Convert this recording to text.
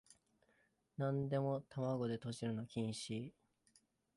なんでも玉子でとじるの禁止